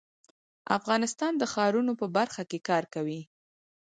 افغانستان د ښارونو په برخه کې کار کوي.